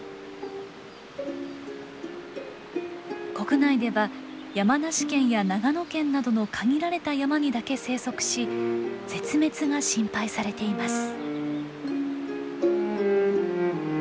国内では山梨県や長野県などの限られた山にだけ生息し絶滅が心配されています。